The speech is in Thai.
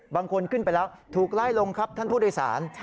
ขึ้นไปแล้วถูกไล่ลงครับท่านผู้โดยสาร